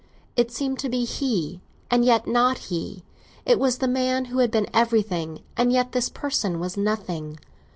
It seemed to be he, and yet not he; it was the man who had been everything, and yet this person was nothing.